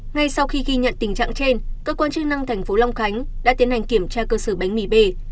ngay sau khi ghi nhận tình trạng trên cơ quan chức năng tp long khánh đã tiến hành kiểm tra cơ sở bánh mì b